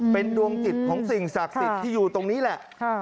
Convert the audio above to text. เป็นดวงจิตของสิ่งศักดิ์สิทธิ์ที่อยู่ตรงนี้แหละ